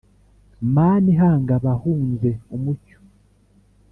mana ihanga abahunze umucyo,